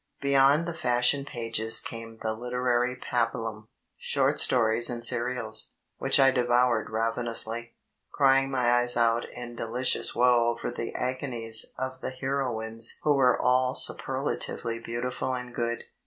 Beyond the fashion pages came the literary pabu lum, short stories and serials, which I devoured ravenously, crying my eyes out in delicious woe over the agonies of the heroines who were all superlatively beautiful and good.